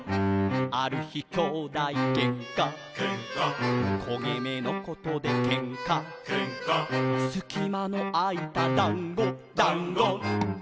「ある日兄弟げんか」「けんか」「こげ目のことでけんか」「けんか」「すきまのあいただんご」「だんご」